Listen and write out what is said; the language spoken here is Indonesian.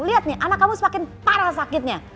lihat nih anak kamu semakin parah sakitnya